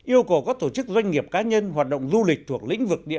yêu cầu các tổ chức doanh nghiệp cá nhân hoạt động du lịch thuộc lĩnh vực địa phương